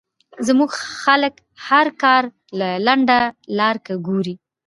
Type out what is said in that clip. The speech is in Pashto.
زمونږ خلک هر کار له لنډه لار ګوري